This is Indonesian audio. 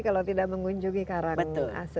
kalau tidak mengunjungi karangasem